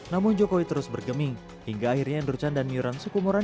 namun jokowi terus bergeming hingga akhirnya andrew chan dan miran sukumuran